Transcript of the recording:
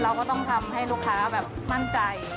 เราก็ต้องทำให้ลูกค้าแบบมั่นใจ